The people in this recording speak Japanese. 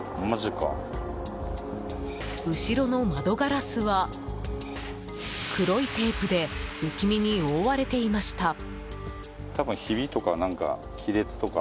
後ろの窓ガラスは黒いテープで不気味に覆われていました。